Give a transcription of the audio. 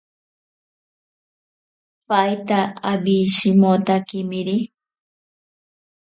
Paita awisamotakemiri.